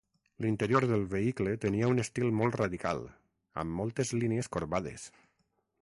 L'interior del vehicle tenia un estil molt radical, amb moltes línies corbades.